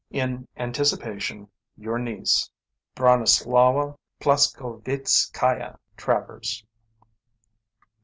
"In anticipation, "Your niece, "BRONISLAWA PLASKOWEITZKAIA TRAVERS.